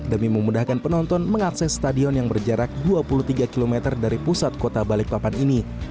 demi memudahkan penonton mengakses stadion yang berjarak dua puluh tiga km dari pusat kota balikpapan ini